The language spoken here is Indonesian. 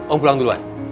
om pulang duluan